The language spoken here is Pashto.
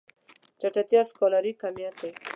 چټکتيا سکالري کميت دی.